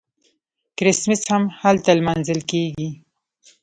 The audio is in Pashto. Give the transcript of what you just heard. کریسمس هم هلته لمانځل کیږي.